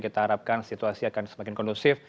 kita harapkan situasi akan semakin kondusif